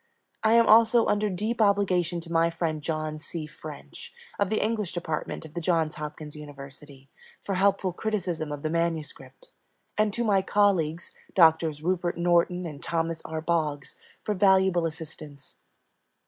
I am also under deep obligation to my friend John C. French, of the English Department of the Johns Hopkins University, for helpful criticism of the manuscript, and to my colleagues, Doctors Rupert Norton and Thomas R. Boggs, for valuable assistance.